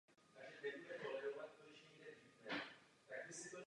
Binární operace si musí pamatovat levé a pravé komponenty.